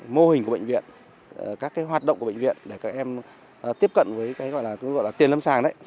mô hình của bệnh viện các hoạt động của bệnh viện để các em tiếp cận với tiền lâm sàng đấy